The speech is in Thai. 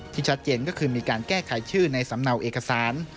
ชัดเจนก็คือมีการแก้ไขชื่อในสำเนาเอกสาร